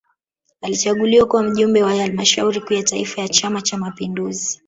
Alichaguliwa kuwa Mjumbe wa Halmashauri Kuu ya Taifa ya Chama cha Mapinduzi